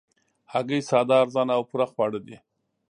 هګۍ ساده، ارزانه او پوره خواړه دي